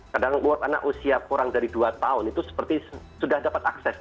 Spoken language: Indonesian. kadang buat anak usia kurang dari dua tahun itu seperti sudah dapat akses